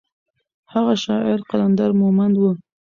هغه شاعر قلندر مومند و.